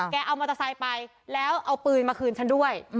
เอามอเตอร์ไซค์ไปแล้วเอาปืนมาคืนฉันด้วย